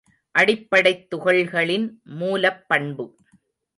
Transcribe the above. அடிப்படைத் துகள்களின் மூலப்பண்பு.